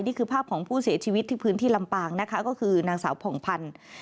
นี่คือภาพของผู้เสียชีวิตที่พื้นที่ลำปางนะคะก็คือนางสาวผ่องพันธุ์